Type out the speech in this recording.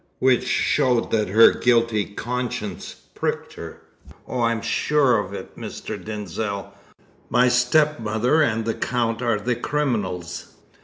"Which showed that her guilty conscience pricked her. Oh, I am sure of it, Mr. Denzil! My stepmother and the count are the criminals!"